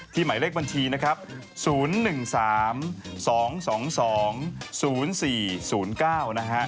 หมายเลขบัญชีนะครับ๐๑๓๒๒๒๐๔๐๙นะฮะ